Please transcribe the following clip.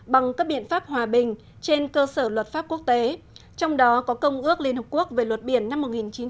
bằng các biện pháp hòa bình trên cơ sở luật pháp quốc tế trong đó có công ước liên hợp quốc về luật biển năm một nghìn chín trăm tám mươi hai